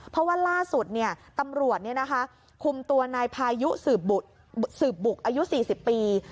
เพราะว่าล่าสุดตำรวจคุมตัวนายพายุสืบบุกอายุ๔๐ปี